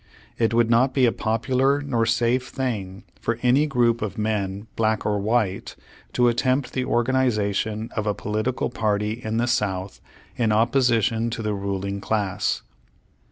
It would not be a popu lar nor safe thing for any group of men black or white, to attempt the organization of a political party in the South in opposition to the ruling class.